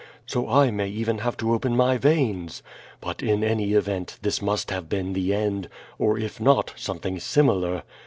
So I may even have to open my veins. But in any event this must have been the end, or if not some thing similar.